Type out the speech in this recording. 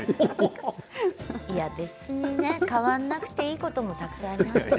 いや、別にね変わらなくていいこともたくさんありますから。